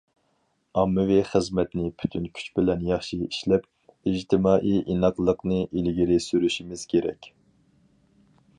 ئاممىۋى خىزمەتنى پۈتۈن كۈچ بىلەن ياخشى ئىشلەپ، ئىجتىمائىي ئىناقلىقنى ئىلگىرى سۈرۈشىمىز كېرەك.